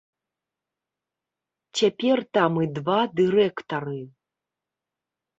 Цяпер там і два дырэктары.